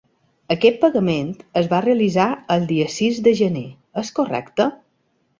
Aquest pagament es va realitzar el dia sis de gener, és correcte?